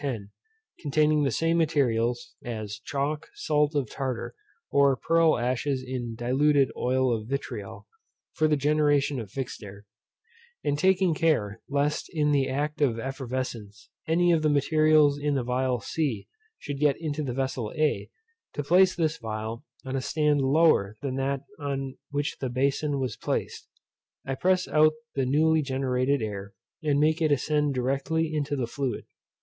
10, containing the same materials (as chalk, salt of tartar, or pearl ashes in diluted oil of vitriol, for the generation of fixed air) and taking care, lest, in the act of effervescence, any of the materials in the phial c should get into the vessel a, to place this phial on a stand lower than that on which the bason was placed, I press out the newly generated air, and make it ascend directly into the fluid.